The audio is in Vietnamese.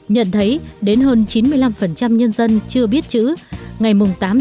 nhận thấy đến hơn chín mươi năm nhân dân chưa biết chữ ngày tám chín một nghìn chín trăm bốn mươi năm